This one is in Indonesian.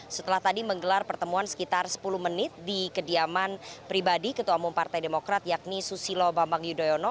setelah tadi menggelar pertemuan sekitar sepuluh menit di kediaman pribadi ketua umum partai demokrat yakni susilo bambang yudhoyono